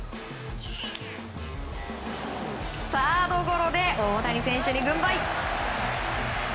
サードゴロで大谷選手に軍配。